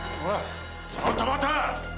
ちょっと待った！